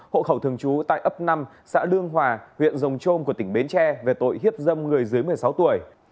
hộ khẩu thường trú tại ấp năm xã lương hòa huyện rồng trôm của tỉnh bến tre về tội hiếp dâm người dưới một mươi sáu tuổi